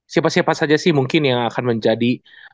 siapa siapa saja sih mungkin yang akan menjadi